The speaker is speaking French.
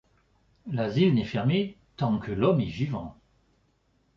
L’asile n’est fermé tant que l’homme est vivant ;